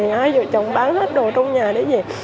hai vợ chồng bán hết đồ trong nhà để về